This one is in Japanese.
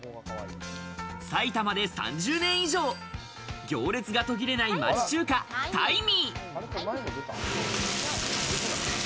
埼玉で３０年以上、行列が途切れない町中華・大味。